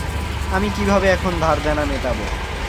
আমি কীভাবে এখন ধার-দেনা মেটাবো?